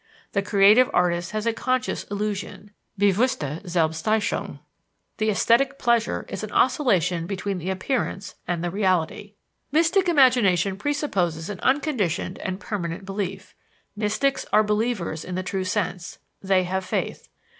The creative artist has a conscious illusion (bewusste Selbsttäuschung): the esthetic pleasure is an oscillation between the appearance and the reality. Mystic imagination presupposes an unconditioned and permanent belief. Mystics are believers in the true sense they have faith.